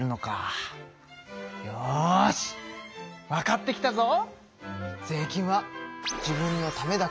よしわかってきたぞ！